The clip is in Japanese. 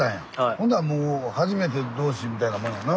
ほんだらもう初めて同士みたいなもんやな。